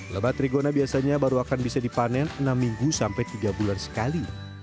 lebat rigona biasanya baru akan bisa dipanen enam minggu sampai tiga bulan sekali